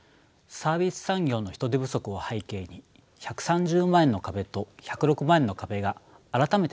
サービス産業の人手不足を背景に１３０万円の壁と１０６万円の壁が改めて論点になっています。